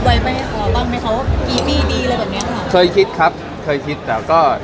ว่ากีมีดีอะไรแบบเนี้ยเคยคิดครับเคยคิดแต่ว่าก็